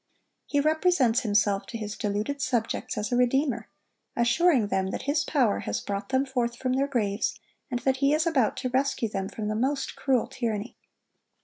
He represents himself to his deluded subjects as a redeemer, assuring them that his power has brought them forth from their graves, and that he is about to rescue them from the most cruel tyranny.